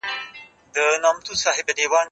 ته ولي امادګي نيسې،